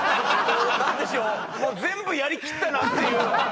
なんでしょう全部やりきったなっていう。